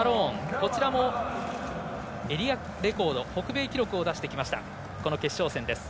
こちらもエリアレコード北米記録を出してきたこの決勝戦。